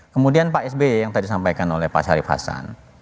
kemudian pak sby yang tadi disampaikan oleh pak syarif hasan